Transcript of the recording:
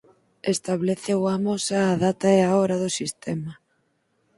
Establece ou amosa a data e a hora do sistema.